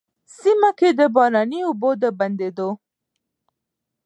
سيمه کي د باراني اوبو د بندېدو،